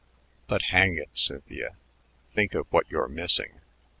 "But hang it, Cynthia, think of what you're missing.